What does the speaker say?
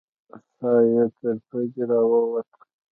ساه يې تر پزې راووته.